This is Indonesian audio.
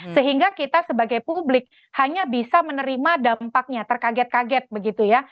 sehingga kita sebagai publik hanya bisa menerima dampaknya terkaget kaget begitu ya